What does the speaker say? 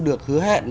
được hứa hẹn